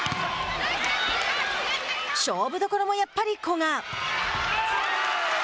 勝負どころもやっぱり古賀。